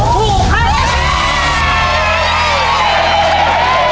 ถูกครับ